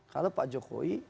kalau pak jokowi